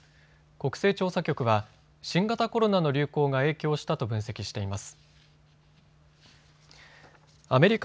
国勢調査局は新型コロナの流行が影響したと分析しています。